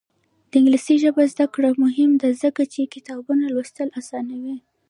د انګلیسي ژبې زده کړه مهمه ده ځکه چې کتابونه لوستل اسانوي.